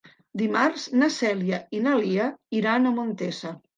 Dimarts na Cèlia i na Lia iran a Montesa.